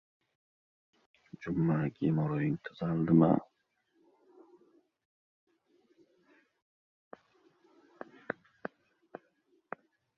– Unda, nimaga men eshitmaganman?